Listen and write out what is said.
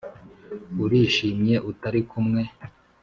urishimye utari kumwe